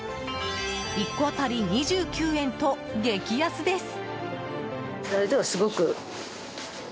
１個当たり２９円と激安です。